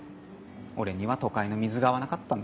俺には都会の水が合わなかったんだ。